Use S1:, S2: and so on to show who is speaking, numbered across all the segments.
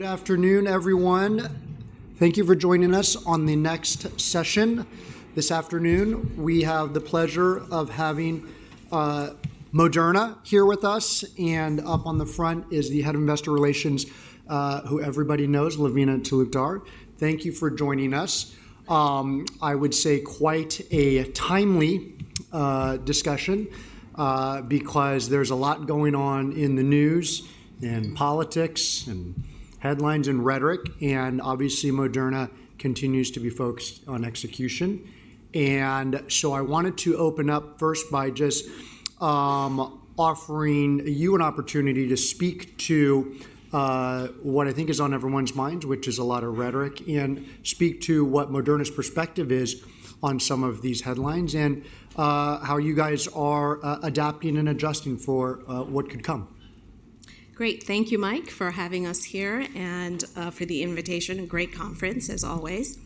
S1: Good afternoon, everyone. Thank you for joining us on the next session. This afternoon, we have the pleasure of having Moderna here with us, and up on the front is the head of investor relations, who everybody knows, Lavina Talukdar. Thank you for joining us. I would say quite a timely discussion because there's a lot going on in the news and politics and headlines and rhetoric, and obviously Moderna continues to be focused on execution, and so I wanted to open up first by just offering you an opportunity to speak to what I think is on everyone's minds, which is a lot of rhetoric, and speak to what Moderna's perspective is on some of these headlines and how you guys are adapting and adjusting for what could come.
S2: Great. Thank you, Mike, for having us here and for the invitation. Great conference, as always.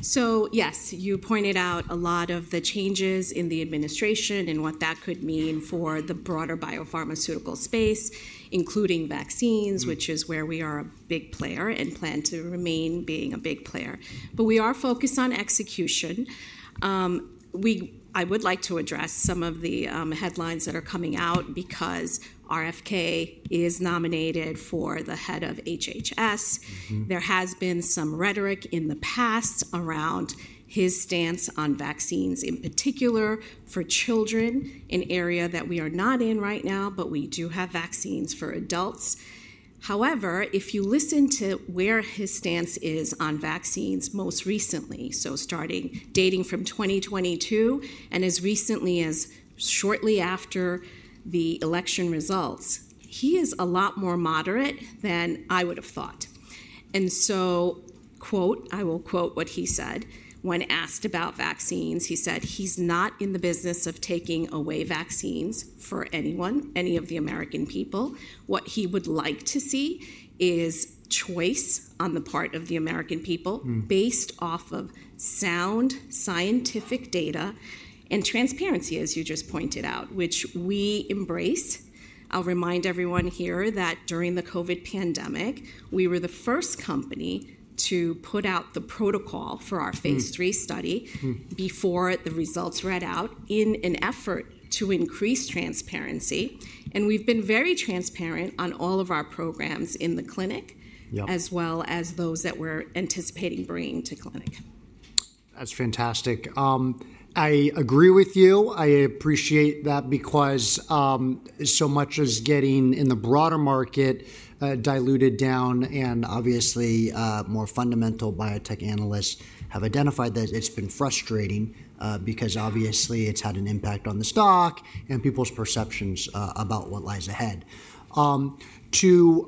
S2: So yes, you pointed out a lot of the changes in the administration and what that could mean for the broader biopharmaceutical space, including vaccines, which is where we are a big player and plan to remain being a big player. But we are focused on execution. I would like to address some of the headlines that are coming out because RFK is nominated for the head of HHS. There has been some rhetoric in the past around his stance on vaccines, in particular for children, an area that we are not in right now, but we do have vaccines for adults. However, if you listen to where his stance is on vaccines most recently, so starting dating from 2022 and as recently as shortly after the election results, he is a lot more moderate than I would have thought, and so, quote, I will quote what he said. When asked about vaccines, he said, "He's not in the business of taking away vaccines for anyone, any of the American people. What he would like to see is choice on the part of the American people based off of sound scientific data and transparency," as you just pointed out, which we embrace. I'll remind everyone here that during the COVID pandemic, we were the first company to put out the protocol for our phase III study before the results read out in an effort to increase transparency. We've been very transparent on all of our programs in the clinic, as well as those that we're anticipating bringing to clinic.
S1: That's fantastic. I agree with you. I appreciate that because so much as getting in the broader market diluted down, and obviously more fundamental biotech analysts have identified that it's been frustrating because obviously it's had an impact on the stock and people's perceptions about what lies ahead. To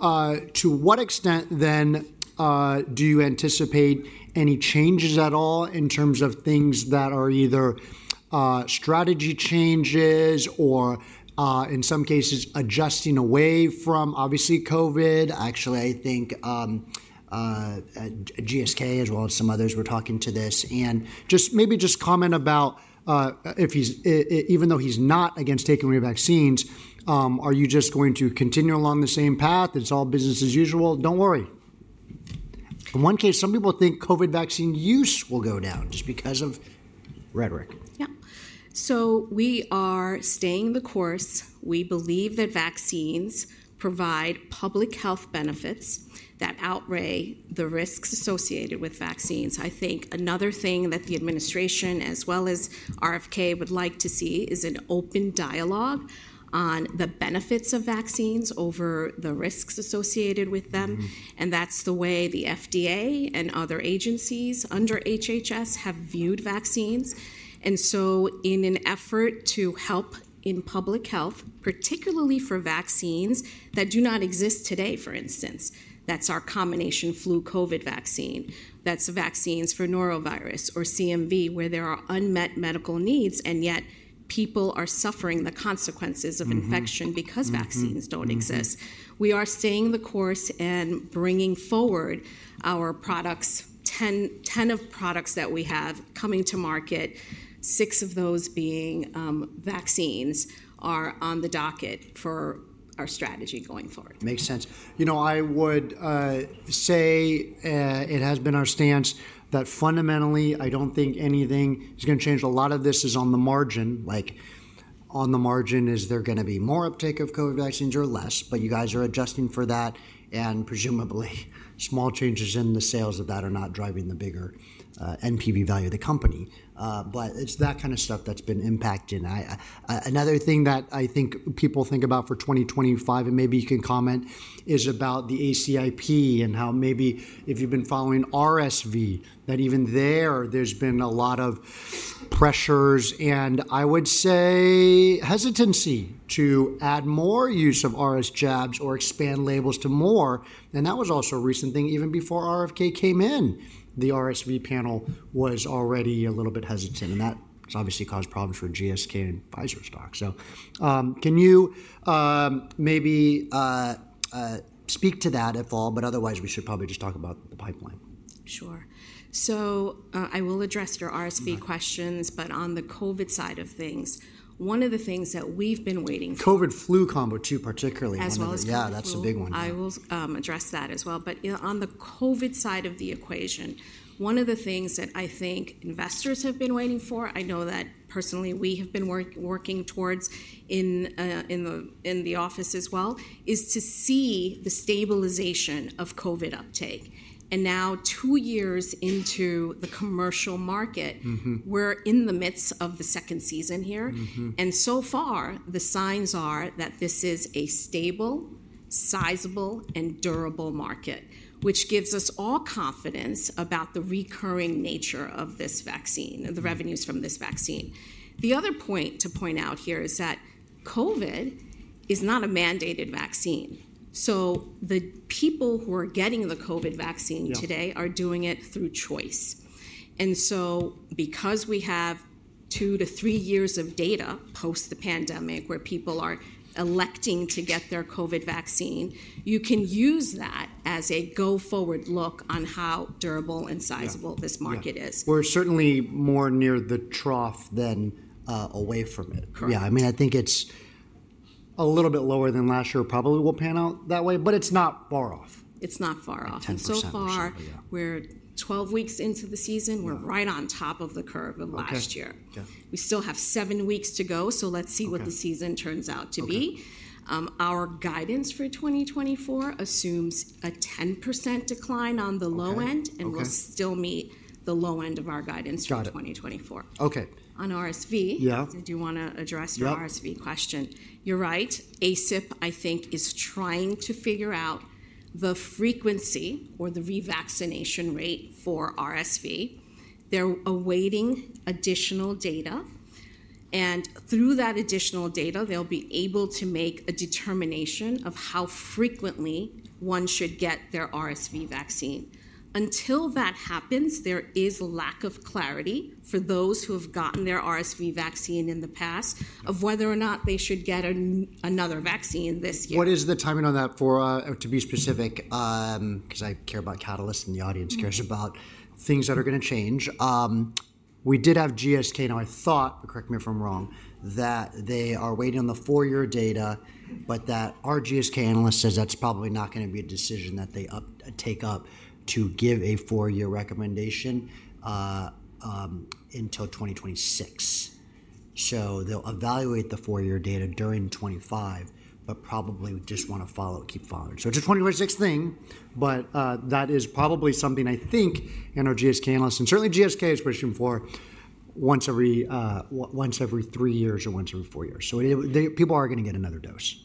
S1: what extent then do you anticipate any changes at all in terms of things that are either strategy changes or, in some cases, adjusting away from obviously COVID? Actually, I think GSK, as well as some others, were talking to this and just maybe comment about if he's, even though he's not against taking away vaccines, are you just going to continue along the same path? It's all business as usual. Don't worry. In one case, some people think COVID vaccine use will go down just because of rhetoric.
S2: Yeah. So we are staying the course. We believe that vaccines provide public health benefits that outweigh the risks associated with vaccines. I think another thing that the administration, as well as RFK, would like to see is an open dialogue on the benefits of vaccines over the risks associated with them. And that's the way the FDA and other agencies under HHS have viewed vaccines. And so in an effort to help in public health, particularly for vaccines that do not exist today, for instance, that's our combination flu COVID vaccine. That's vaccines for norovirus or CMV, where there are unmet medical needs, and yet people are suffering the consequences of infection because vaccines don't exist. We are staying the course and bringing forward our products, 10 products that we have coming to market, six of those being vaccines are on the docket for our strategy going forward.
S1: Makes sense. You know, I would say it has been our stance that fundamentally, I don't think anything is going to change. A lot of this is on the margin, like on the margin is there going to be more uptake of COVID vaccines or less, but you guys are adjusting for that and presumably, small changes in the sales of that are not driving the bigger NPV value of the company, but it's that kind of stuff that's been impacting. Another thing that I think people think about for 2025, and maybe you can comment, is about the ACIP and how maybe if you've been following RSV, that even there there's been a lot of pressures and I would say hesitancy to add more use of RSV jabs or expand labels to more, and that was also a recent thing. Even before RFK came in, the RSV panel was already a little bit hesitant, and that's obviously caused problems for GSK and Pfizer stock. So can you maybe speak to that at all? But otherwise, we should probably just talk about the pipeline.
S2: Sure. So, I will address your RSV questions, but on the COVID side of things, one of the things that we've been waiting for.
S1: COVID flu combo too, particularly.
S2: As well as COVID.
S1: Yeah, that's a big one.
S2: I will address that as well. But on the COVID side of the equation, one of the things that I think investors have been waiting for, I know that personally we have been working towards in the office as well, is to see the stabilization of COVID uptake. And now, two years into the commercial market, we're in the midst of the second season here. And so far, the signs are that this is a stable, sizable, and durable market, which gives us all confidence about the recurring nature of this vaccine and the revenues from this vaccine. The other point to point out here is that COVID is not a mandated vaccine. So the people who are getting the COVID vaccine today are doing it through choice. And so because we have two to three years of data post the pandemic where people are electing to get their COVID vaccine, you can use that as a go-forward look on how durable and sizable this market is.
S1: We're certainly more near the trough than away from it. Yeah, I mean, I think it's a little bit lower than last year. Probably will pan out that way, but it's not far off.
S2: It's not far off. So far, we're 12 weeks into the season. We're right on top of the curve of last year. We still have seven weeks to go. So let's see what the season turns out to be. Our guidance for 2024 assumes a 10% decline on the low end, and we'll still meet the low end of our guidance for 2024.
S1: Got it. Okay.
S2: On RSV, I do want to address your RSV question. You're right. ACIP, I think, is trying to figure out the frequency or the revaccination rate for RSV. They're awaiting additional data, and through that additional data, they'll be able to make a determination of how frequently one should get their RSV vaccine. Until that happens, there is a lack of clarity for those who have gotten their RSV vaccine in the past of whether or not they should get another vaccine this year.
S1: What is the timing on that for, to be specific, because I care about catalysts and the audience cares about things that are going to change. We did have GSK. Now, I thought, but correct me if I'm wrong, that they are waiting on the four-year data, but that our GSK analyst says that's probably not going to be a decision that they take up to give a four-year recommendation until 2026. So they'll evaluate the four-year data during 2025, but probably just want to follow, keep following. So it's a 2026 thing, but that is probably something I think our GSK analysts, and certainly GSK is pushing for once every three years or once every four years. So people are going to get another dose.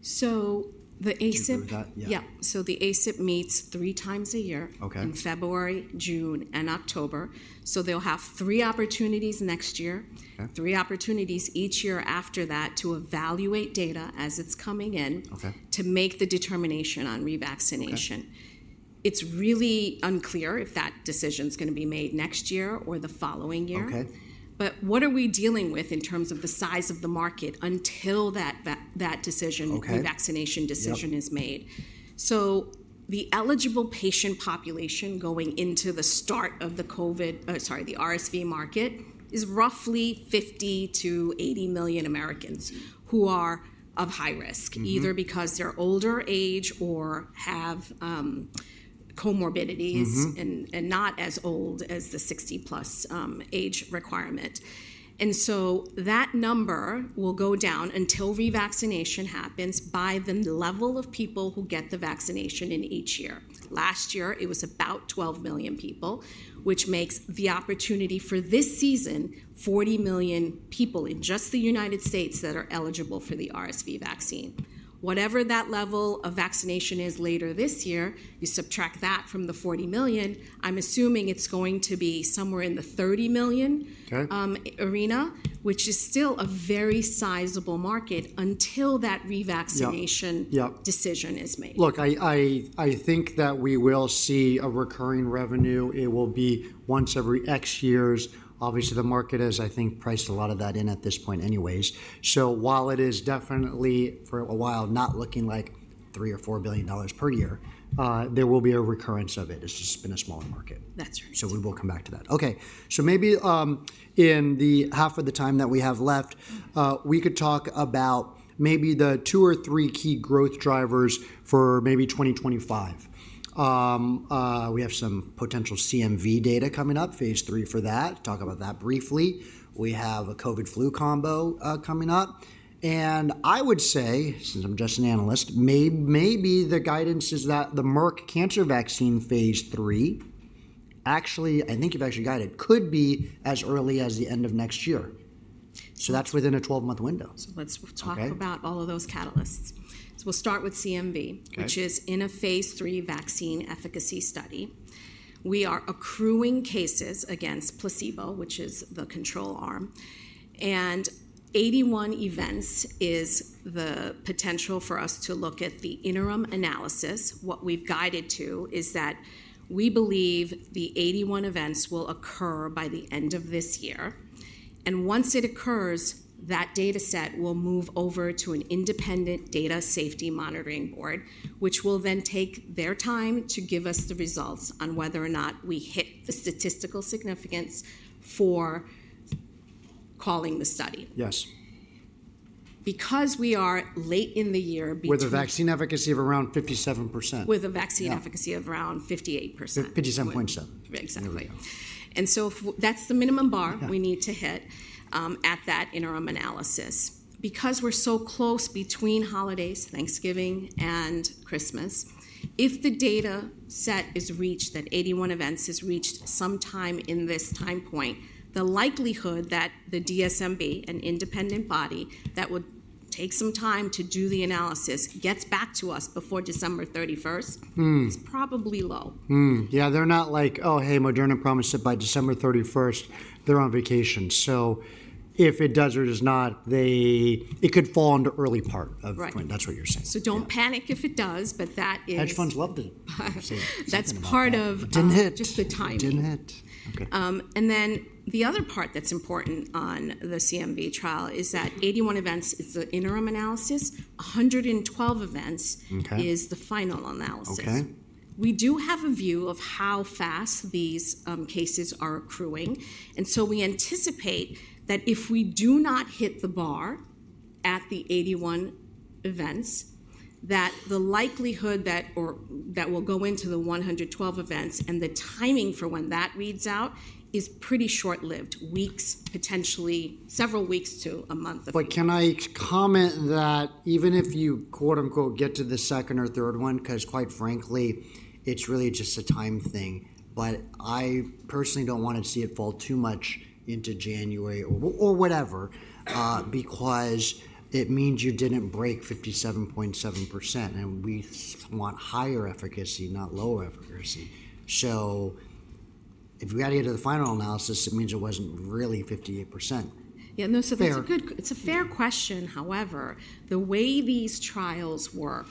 S2: So the ACIP. Yeah. So the ACIP meets three times a year in February, June, and October. So they'll have three opportunities next year, three opportunities each year after that to evaluate data as it's coming in to make the determination on revaccination. It's really unclear if that decision is going to be made next year or the following year. But what are we dealing with in terms of the size of the market until that decision, revaccination decision is made? So the eligible patient population going into the start of the COVID, sorry, the RSV market is roughly 50-80 million Americans who are of high risk, either because they're older age or have comorbidities, and not as old as the 60-plus age requirement. And so that number will go down until revaccination happens by the level of people who get the vaccination in each year. Last year, it was about 12 million people, which makes the opportunity for this season, 40 million people in just the United States that are eligible for the RSV vaccine. Whatever that level of vaccination is later this year, you subtract that from the 40 million, I'm assuming it's going to be somewhere in the 30 million arena, which is still a very sizable market until that revaccination decision is made.
S1: Look, I think that we will see a recurring revenue. It will be once every X years. Obviously, the market has, I think, priced a lot of that in at this point anyways. So while it is definitely for a while not looking like $3 billion-$4 billion per year, there will be a recurrence of it. It's just been a smaller market.
S2: That's right.
S1: So we will come back to that. Okay. So maybe in the half of the time that we have left, we could talk about maybe the two or three key growth drivers for maybe 2025. We have some potential CMV data coming up, phase III for that. Talk about that briefly. We have a COVID flu combo coming up. And I would say, since I'm just an analyst, maybe the guidance is that the Merck cancer vaccine phase III, actually, I think you've actually got it, could be as early as the end of next year. So that's within a 12-month window.
S2: Let's talk about all of those catalysts. We'll start with CMV, which is in a phase III vaccine efficacy study. We are accruing cases against placebo, which is the control arm. 81 events is the potential for us to look at the interim analysis. What we've guided to is that we believe the 81 events will occur by the end of this year. Once it occurs, that data set will move over to an independent Data and Safety Monitoring Board, which will then take their time to give us the results on whether or not we hit the statistical significance for calling the study.
S1: Yes.
S2: Because we are late in the year.
S1: With a vaccine efficacy of around 57%.
S2: With a vaccine efficacy of around 58%.
S1: 57.7.
S2: Exactly. And so that's the minimum bar we need to hit at that interim analysis. Because we're so close between holidays, Thanksgiving and Christmas, if the data set is reached, that 81 events is reached sometime in this time point, the likelihood that the DSMB, an independent body that would take some time to do the analysis, gets back to us before December 31st is probably low.
S1: Yeah. They're not like, "Oh, hey, Moderna promised it by December 31st." They're on vacation. So if it does or does not, it could fall into early part of the point. That's what you're saying.
S2: So don't panic if it does, but that is.
S1: Hedge funds love to.
S2: That's part of just the timing.
S1: Didn't hit.
S2: And then the other part that's important on the CMV trial is that 81 events is the interim analysis. 112 events is the final analysis. We do have a view of how fast these cases are accruing. And so we anticipate that if we do not hit the bar at the 81 events, that the likelihood that will go into the 112 events and the timing for when that reads out is pretty short-lived, weeks, potentially several weeks to a month.
S1: But can I comment that even if you quote unquote get to the second or third one, because quite frankly, it's really just a time thing, but I personally don't want to see it fall too much into January or whatever, because it means you didn't break 57.7%. And we want higher efficacy, not lower efficacy. So if we got to get to the final analysis, it means it wasn't really 58%.
S2: Yeah. No, so it's a fair question. However, the way these trials work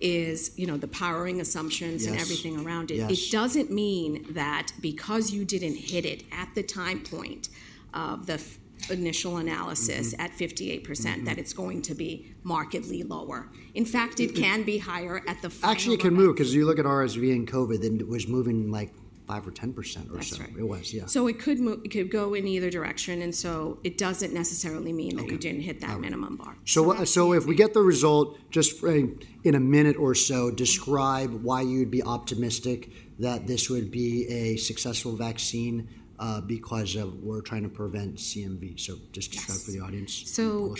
S2: is, you know, the powering assumptions and everything around it. It doesn't mean that because you didn't hit it at the time point of the initial analysis at 58%, that it's going to be markedly lower. In fact, it can be higher at the final.
S1: Actually, it can move, because you look at RSV and COVID, then it was moving like 5% or 10% or so.
S2: That's right. So it could go in either direction. And so it doesn't necessarily mean that you didn't hit that minimum bar.
S1: So if we get the result just in a minute or so, describe why you'd be optimistic that this would be a successful vaccine because we're trying to prevent CMV, so just describe for the audience.
S2: So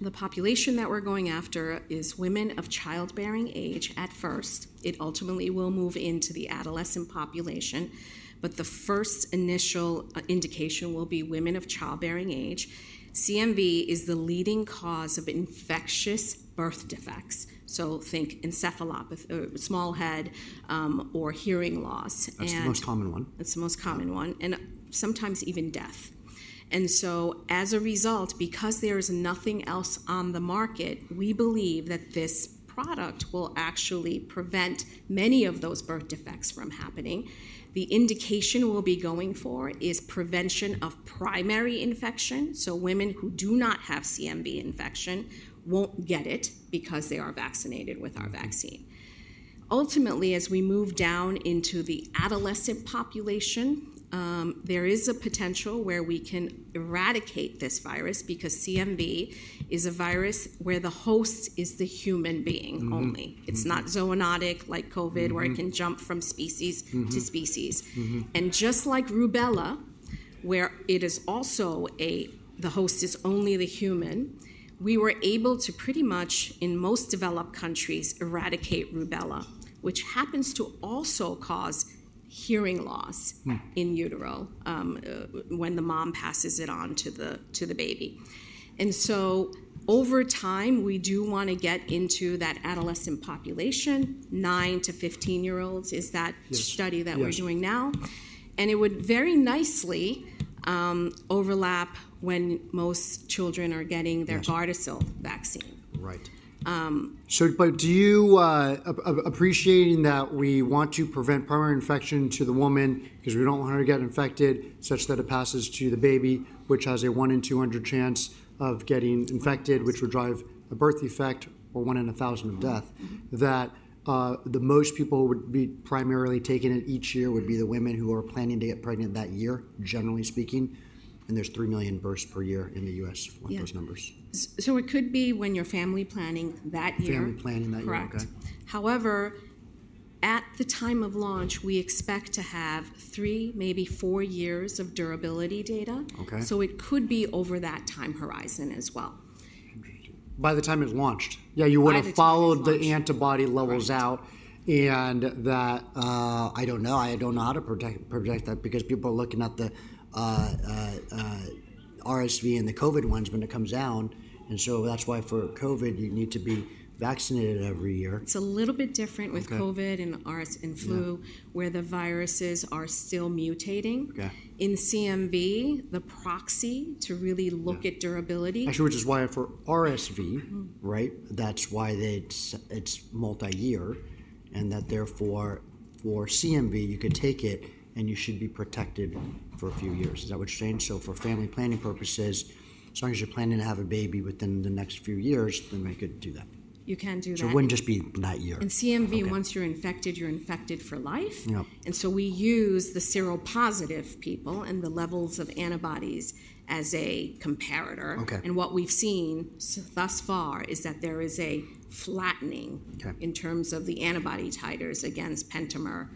S2: the population that we're going after is women of childbearing age at first. It ultimately will move into the adolescent population, but the first initial indication will be women of childbearing age. CMV is the leading cause of infectious birth defects. So think encephalopathy, small head or hearing loss.
S1: That's the most common one.
S2: That's the most common one, and sometimes even death. And so as a result, because there is nothing else on the market, we believe that this product will actually prevent many of those birth defects from happening. The indication we'll be going for is prevention of primary infection. So women who do not have CMV infection won't get it because they are vaccinated with our vaccine. Ultimately, as we move down into the adolescent population, there is a potential where we can eradicate this virus because CMV is a virus where the host is the human being only. It's not zoonotic like COVID where it can jump from species to species. Just like rubella, where it is also the host is only the human, we were able to pretty much in most developed countries eradicate rubella, which happens to also cause hearing loss in utero when the mom passes it on to the baby. So over time, we do want to get into that adolescent population, nine to 15-year-olds is that study that we're doing now. It would very nicely overlap when most children are getting their Gardasil vaccine.
S1: Right. But do you appreciate that we want to prevent primary infection to the woman because we don't want her to get infected such that it passes to the baby, which has a one in 200 chance of getting infected, which would drive a birth defect or one in 1,000 of death, that the most people would be primarily taking it each year would be the women who are planning to get pregnant that year, generally speaking? And there's three million births per year in the U.S. with those numbers.
S2: So it could be when you're family planning that year.
S1: Family planning that year.
S2: Correct. However, at the time of launch, we expect to have three, maybe four years of durability data. So it could be over that time horizon as well.
S1: Interesting. By the time it's launched. Yeah, you would have followed the antibody levels out and that I don't know. I don't know how to project that because people are looking at the RSV and the COVID ones when it comes down, and so that's why for COVID, you need to be vaccinated every year.
S2: It's a little bit different with COVID and flu where the viruses are still mutating. In CMV, the proxy to really look at durability.
S1: Actually, which is why for RSV, right, that's why it's multi-year and that therefore for CMV, you could take it and you should be protected for a few years. Is that what you're saying, so for family planning purposes, as long as you're planning to have a baby within the next few years, then we could do that.
S2: You can do that.
S1: It wouldn't just be that year.
S2: CMV, once you're infected, you're infected for life. So we use the seropositive people and the levels of antibodies as a comparator. What we've seen thus far is that there is a flattening in terms of the antibody titers against pentamer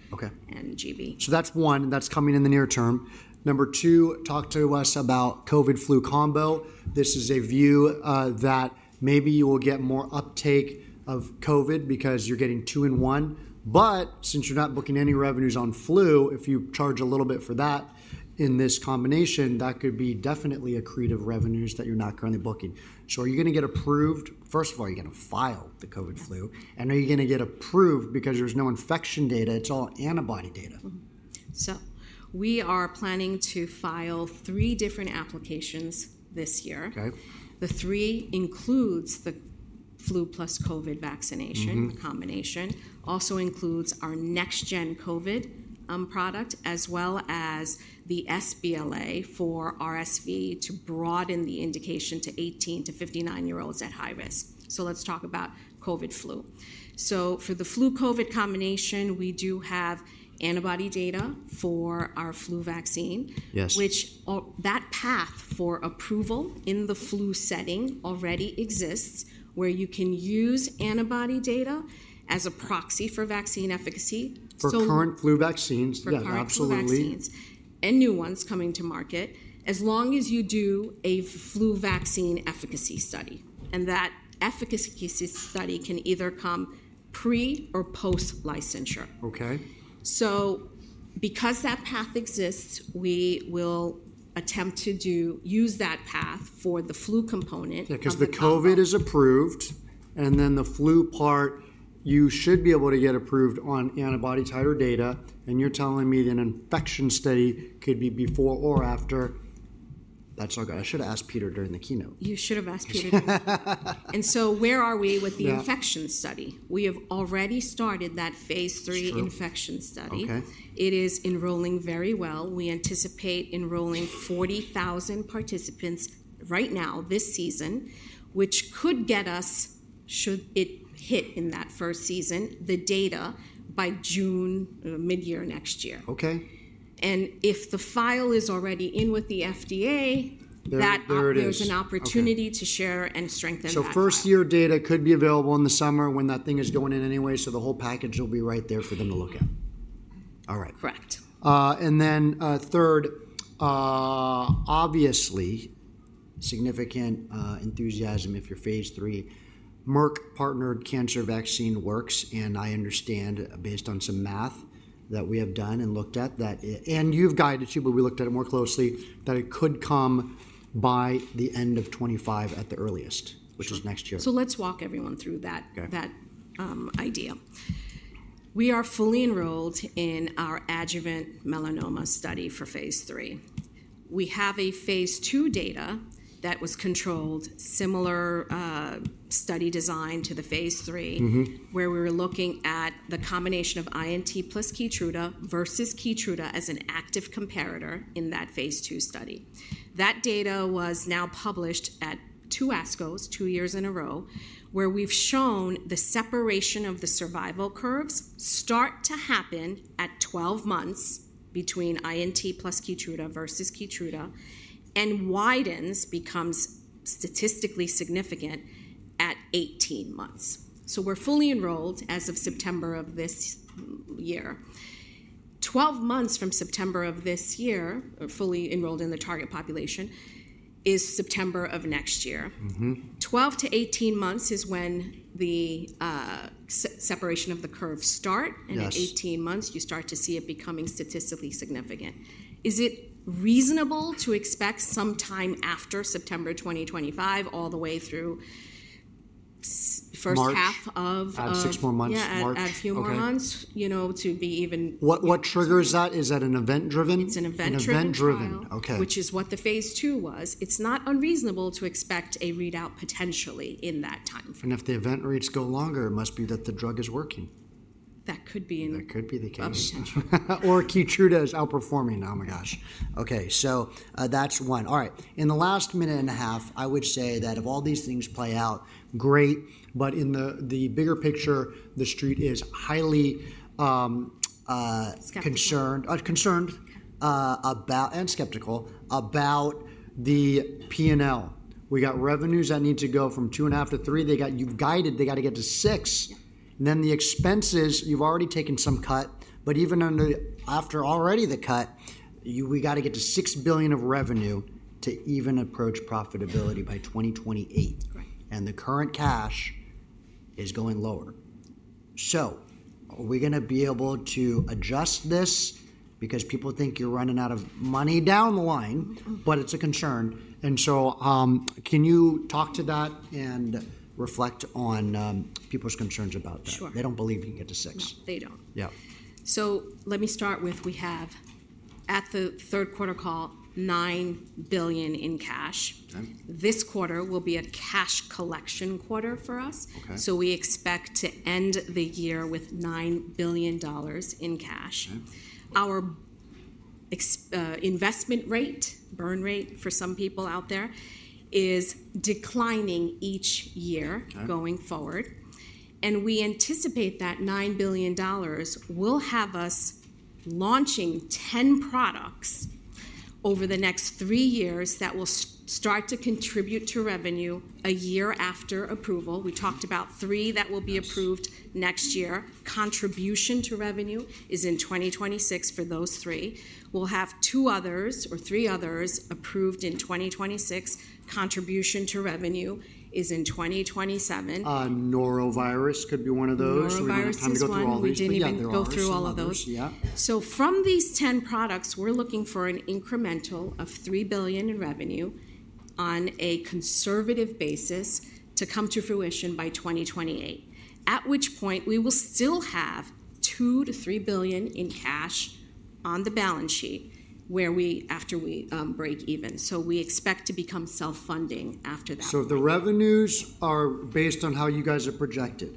S2: and gB.
S1: So that's one. That's coming in the near term. Number two, talk to us about COVID-flu combo. This is a view that maybe you will get more uptake of COVID because you're getting two in one. But since you're not booking any revenues on flu, if you charge a little bit for that in this combination, that could be definitely accretive revenues that you're not currently booking. So are you going to get approved? First of all, you're going to file the COVID-flu. And are you going to get approved because there's no infection data? It's all antibody data.
S2: We are planning to file three different applications this year. The three includes the flu plus COVID vaccination, the combination. Also includes our next-gen COVID product, as well as the sBLA for RSV to broaden the indication to 18-59-year-olds at high risk. Let's talk about COVID flu. For the flu COVID combination, we do have antibody data for our flu vaccine, which the path for approval in the flu setting already exists where you can use antibody data as a proxy for vaccine efficacy.
S1: For current flu vaccines.
S2: For current flu vaccines and new ones coming to market, as long as you do a flu vaccine efficacy study and that efficacy study can either come pre or post-licensure, so because that path exists, we will attempt to use that path for the flu component.
S1: Yeah, because the COVID is approved and then the flu part, you should be able to get approved on antibody titer data. And you're telling me that an infection study could be before or after. That's all good. I should have asked Peter during the keynote.
S2: You should have asked Peter, and so where are we with the infection study? We have already started that phase III infection study. It is enrolling very well. We anticipate enrolling 40,000 participants right now this season, which could get us, should it hit in that first season, the data by June, mid-year next year, and if the file is already in with the FDA, there's an opportunity to share and strengthen that.
S1: So first-year data could be available in the summer when that thing is going in anyway. So the whole package will be right there for them to look at. All right.
S2: Correct.
S1: And then third, obviously significant enthusiasm if you're phase III. Merck partnered cancer vaccine works. And I understand based on some math that we have done and looked at that. And you've guided it too, but we looked at it more closely that it could come by the end of 2025 at the earliest, which is next year.
S2: Let's walk everyone through that idea. We are fully enrolled in our adjuvant melanoma study for phase III. We have a phase II data that was controlled, similar study design to the phase III, where we were looking at the combination of INT plus Keytruda versus Keytruda as an active comparator in that phase II study. That data was now published at two ASCOs, two years in a row, where we've shown the separation of the survival curves start to happen at 12 months between INT plus Keytruda versus Keytruda and widens, becomes statistically significant at 18 months. We're fully enrolled as of September of this year. 12 months from September of this year, fully enrolled in the target population, is September of next year. 12 to 18 months is when the separation of the curves start. At 18 months, you start to see it becoming statistically significant. Is it reasonable to expect sometime after September 2025, all the way through first half of March?
S1: Six more months.
S2: Yeah, a few more months, you know, to be even.
S1: What triggers that? Is that an event-driven?
S2: It's an event-driven.
S1: An event-driven. Okay.
S2: Which is what the phase II was. It's not unreasonable to expect a readout potentially in that timeframe.
S1: If the event rates go longer, it must be that the drug is working.
S2: That could be in.
S1: That could be the case, or Keytruda is outperforming. Oh my gosh. Okay, so that's one. All right. In the last minute and a half, I would say that if all these things play out, great, but in the bigger picture, the street is highly concerned and skeptical about the P&L. We got revenues that need to go from $2.5 billion-$3 billion. They got you guided, they got to get to $6 billion. And then the expenses, you've already taken some cut. But even after already the cut, we got to get to $6 billion of revenue to even approach profitability by 2028. And the current cash is going lower, so are we going to be able to adjust this? Because people think you're running out of money down the line, but it's a concern. And so can you talk to that and reflect on people's concerns about that? They don't believe you can get to six.
S2: They don't. Yeah. So let me start with, we have at the third quarter call, $9 billion in cash. This quarter will be a cash collection quarter for us. So we expect to end the year with $9 billion in cash. Our investment rate, burn rate for some people out there, is declining each year going forward. And we anticipate that $9 billion will have us launching 10 products over the next three years that will start to contribute to revenue a year after approval. We talked about three that will be approved next year. Contribution to revenue is in 2026 for those three. We'll have two others or three others approved in 2026. Contribution to revenue is in 2027.
S1: Norovirus could be one of those. We don't have to go through all these.
S2: We didn't even go through all of those. So from these 10 products, we're looking for an incremental of $3 billion in revenue on a conservative basis to come to fruition by 2028, at which point we will still have $2 billion-$3 billion in cash on the balance sheet after we break even. So we expect to become self-funding after that.
S1: So the revenues are based on how you guys are projected,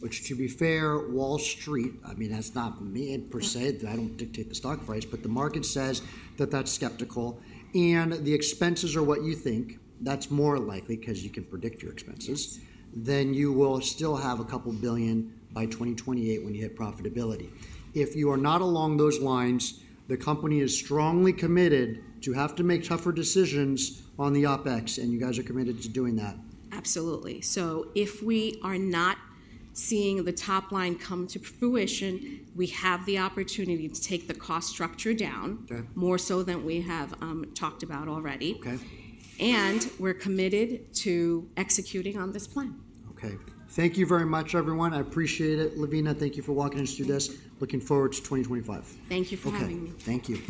S1: which to be fair, Wall Street, I mean, that's not me per se. I don't dictate the stock price, but the market says that that's skeptical. And the expenses are what you think, that's more likely because you can predict your expenses, then you will still have $2 billion by 2028 when you hit profitability. If you are not along those lines, the company is strongly committed to have to make tougher decisions on the OpEx, and you guys are committed to doing that.
S2: Absolutely. So if we are not seeing the top line come to fruition, we have the opportunity to take the cost structure down more so than we have talked about already. And we're committed to executing on this plan.
S1: Okay. Thank you very much, everyone. I appreciate it. Lavina, thank you for walking us through this. Looking forward to 2025.
S2: Thank you for having me.
S1: Thank you.